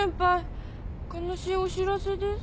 悲しいお知らせです。